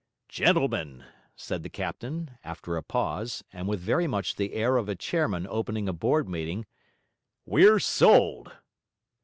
'Gentlemen,' said the captain, after a pause, and with very much the air of a chairman opening a board meeting, 'we're sold.'